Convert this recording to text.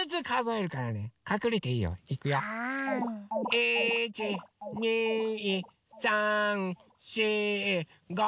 １２３４５。